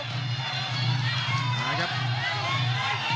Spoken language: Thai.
คมทุกลูกจริงครับโอ้โห